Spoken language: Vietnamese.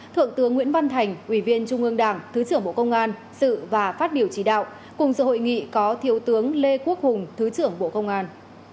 thượng tướng nguyễn văn thành ủy viên trung ương đảng thứ trưởng bộ công an sự và phát biểu chỉ đạo cùng sự hội nghị có thiếu tướng lê quốc hùng thứ trưởng bộ công an